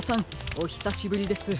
おひさしぶりです。